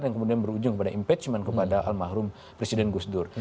yang kemudian berujung kepada impeachment kepada almarhum presiden gus dur